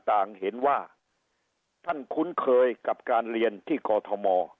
ต่างเห็นว่าท่านคุ้นเคยกับการเรียนที่กอทม